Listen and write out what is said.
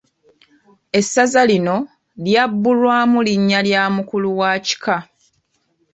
Essaza lino lyabbulwamu linnya lya mukulu wa kika.